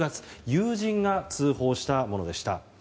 友人が通報したものでした。